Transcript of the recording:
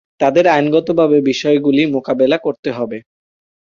তাদের আইনগতভাবে বিষয়গুলি মোকাবেলা করতে হবে।